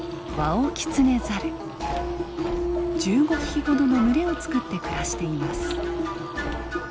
１５匹ほどの群れを作って暮らしています。